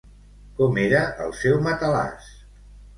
Com era el seu matalàs?